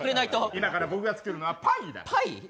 今から僕が作るのはパイだ。